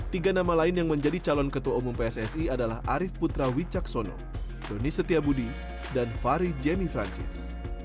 tiga nama lain yang menjadi calon ketua umum pssi adalah arief putra wicaksono doni setiabudi dan fahri jemi francis